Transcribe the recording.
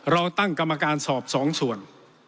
เราตั้งกรรมการสอบ๒ส่วน